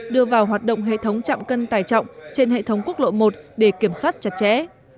đưa vào hoạt động hệ thống chạm cân tài trọng trên hệ thống quốc lộ một để kiểm soát chặt chẽ